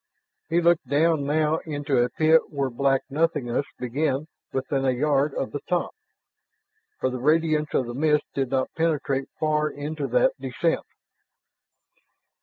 He looked down now into a pit where black nothingness began within a yard of the top, for the radiance of the mist did not penetrate far into that descent.